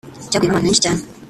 cyaguyemo abantu benshi cyane